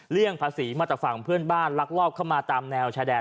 เรื่องภาษีมาตรฟังเพื่อนบ้านลักลอกเข้ามาตามแนวชาแดน